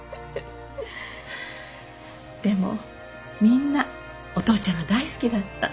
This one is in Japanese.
でもみんなお父ちゃんが大好きだった。